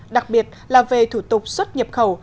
đặc biệt là về thủ tục xuất nhập khẩu